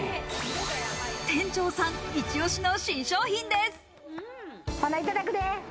店長さんイチオシの新商品です。